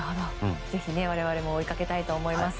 ぜひ我々も追いかけたいと思います。